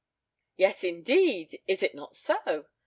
"Yes, indeed! Is it not so?"